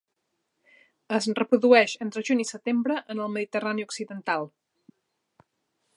Es reprodueix entre juny i setembre en el Mediterrani occidental.